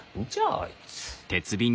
あいつ。